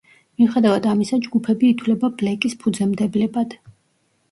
მიუხედავად ამისა, ჯგუფები ითვლება ბლეკის ფუძემდებლებად.